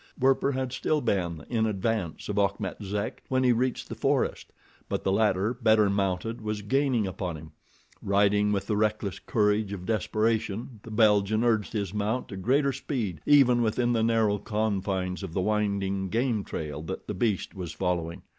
Werper had still been in advance of Achmet Zek when he reached the forest; but the latter, better mounted, was gaining upon him. Riding with the reckless courage of desperation the Belgian urged his mount to greater speed even within the narrow confines of the winding, game trail that the beast was following.